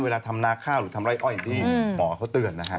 เวลาทำนาคาหรือทำไร้อ้อยดีหมอเขาเตือนนะครับ